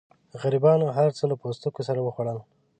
غریبانو هرڅه له پوستکو سره وخوړل.